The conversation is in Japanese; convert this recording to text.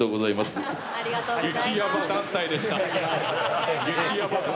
ありがとうございます。